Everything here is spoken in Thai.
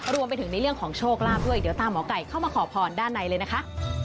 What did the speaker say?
รวมไปถึงในเรื่องของโชคลาภด้วยเดี๋ยวตามหมอไก่เข้ามาขอพรด้านในเลยนะคะ